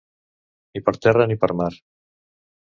Ni per terra ni per mar.